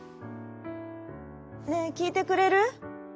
「ねえきいてくれる？